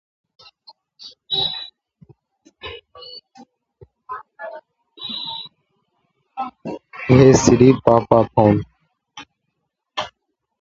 When playing, he is more passive than most players in defense.